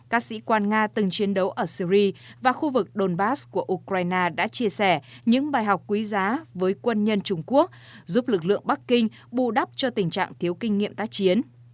các sĩ quan nga từng chiến đấu ở syri và khu vực donbass của ukraine đã chia sẻ những bài học quý giá với quân nhân trung quốc giúp lực lượng bắc kinh bù đắp cho tình trạng thiếu kinh nghiệm tác chiến